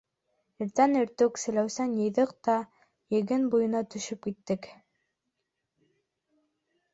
Иртән иртүк селәүсен йыйҙыҡ та Егән буйына төшөп киттек.